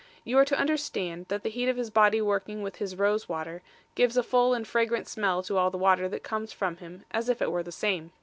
You are to understand, that the heat of his body working with his rose water gives a full and fragrant smell to all the water that comes from him as if it were the same.